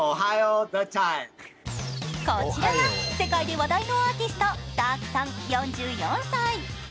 こちらが世界で話題のアーティスト、ダークさん４４歳。